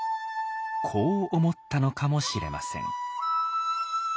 こう思ったのかもしれません。